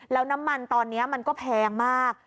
แล้วน้ำมันตอนนี้มันก็แพงมาก